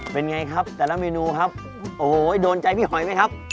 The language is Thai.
เป็นไงครับแต่ละเมนูครับโอ้โหโดนใจพี่หอยไหมครับ